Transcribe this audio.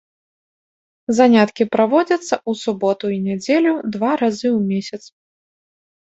Заняткі праводзяцца ў суботу і нядзелю два разы ў месяц.